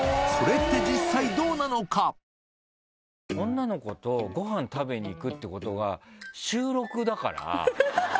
女の子とごはん食べに行くっていうことが収録だから。